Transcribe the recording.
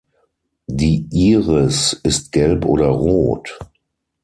Die Iris ist gelb oder rot.